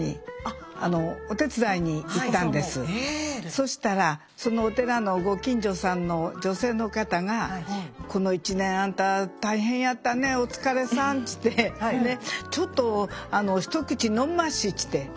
そしたらそのお寺のご近所さんの女性の方が「この１年あんた大変やったねお疲れさん」っつってあらあらあら。